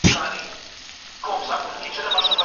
ده د خبرو دروازې پرانيستې پرېښودې.